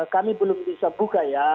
kami belum bisa buka ya